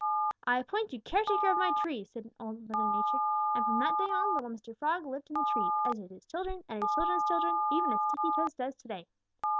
"'I appoint you caretaker of my trees,' said Old Mother Nature, and from that day on little Mr. Frog lived in the trees, as did his children and his children's children, even as Sticky toes does to day.